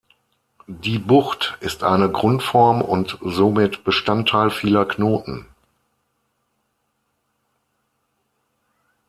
Die Bucht ist eine Grundform und somit Bestandteil vieler Knoten.